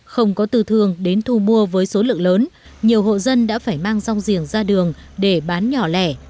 không có tư thương đến thu mua với số lượng lớn nhiều hộ dân đã phải mang rong giềng ra đường để bán nhỏ lẻ